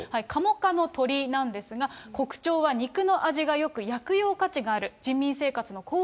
カモ科の鳥なんですが、コクチョウは肉の味がよく、薬用価値がある。